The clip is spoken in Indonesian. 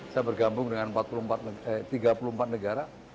saya bergabung dengan tiga puluh empat negara